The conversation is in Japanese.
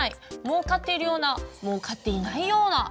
もうかっているようなもうかっていないような。